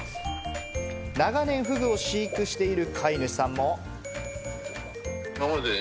長年、フグを飼育している飼い主さんも。